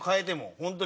ホントに。